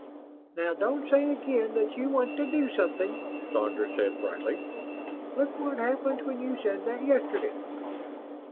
"Now don't say again that you want to do something," Sandra said, brightly. "Look what happened when you said that yesterday."